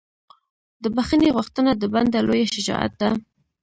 د بښنې غوښتنه د بنده لویه شجاعت ده.